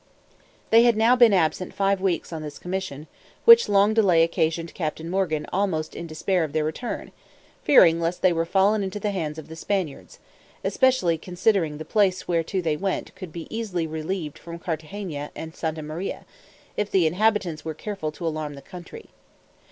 They had now been absent five weeks on this commission, which long delay occasioned Captain Morgan almost in despair of their return, fearing lest they were fallen in to the hands of the Spaniards; especially considering the place whereto they went could easily be relieved from Carthagena and Santa Maria, if the inhabitants were careful to alarm the country.